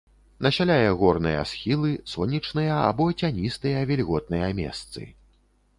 Насяляе горныя схілы, сонечныя або цяністыя вільготныя месцы.